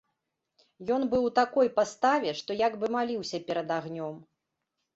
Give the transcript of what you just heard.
Ён быў у такой паставе, што як бы маліўся перад агнём.